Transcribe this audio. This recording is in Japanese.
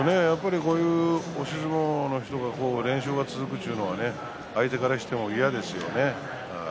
こういう押し相撲の人が連勝が続くというのは相手からしても嫌ですね。